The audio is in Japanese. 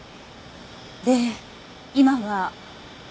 で今は？